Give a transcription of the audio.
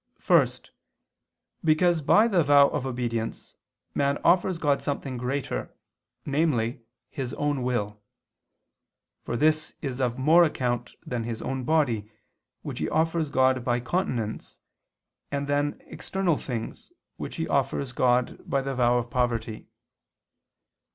First, because by the vow of obedience man offers God something greater, namely his own will; for this is of more account than his own body, which he offers God by continence, and than external things, which he offers God by the vow of poverty.